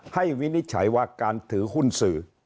วินิจฉัยว่าการถือหุ้นสื่อ